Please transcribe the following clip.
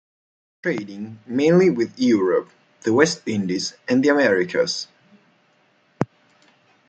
Trading mainly with Europe, the West Indies and the Americas.